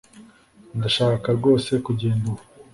ndashaka rwose kugenda ubu